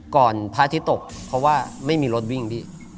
พระอาทิตย์ตกเพราะว่าไม่มีรถวิ่งพี่